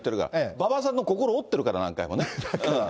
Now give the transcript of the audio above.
ばばさんの心折ってるから、何回もね。